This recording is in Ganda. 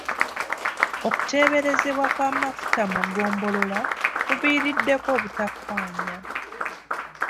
Okuteeberezebwa kw'amafuta mu ggombolola kuviiriddeko obutakkaanya.